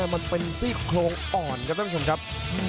มันเป็นซี่โครงอ่อนครับท่านผู้ชมครับ